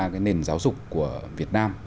cái nền giáo dục của việt nam